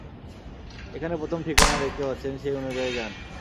এখানে প্রথম ঠিকানা দেখতে পাচ্ছেন, সেই অনুযায়ী যান।